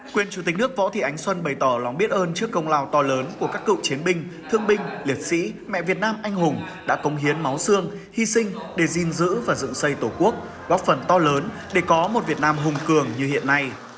quyền chủ tịch nước võ thị ánh xuân bày tỏ lòng biết ơn trước công lao to lớn của các cựu chiến binh thương binh liệt sĩ mẹ việt nam anh hùng đã công hiến máu xương hy sinh để gìn giữ và dựng xây tổ quốc góp phần to lớn để có một việt nam hùng cường như hiện nay